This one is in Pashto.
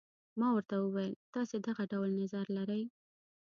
ما ورته وویل تاسي دغه ډول نظر لرئ.